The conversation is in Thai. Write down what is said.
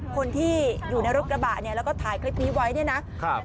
คนที่อยู่ในรถกระบะเนี่ยแล้วก็ถ่ายคลิปนี้ไว้เนี่ยนะครับ